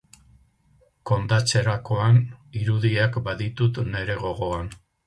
Kondatzerakoan, irudiak baditut nere gogoan.